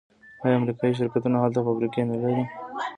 آیا امریکایی شرکتونه هلته فابریکې نلري؟